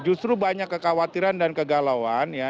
justru banyak kekhawatiran dan kegalauan ya